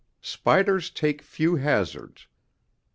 Spiders take few hazards.